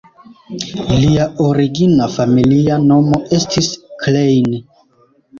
Lia origina familia nomo estis "Klein".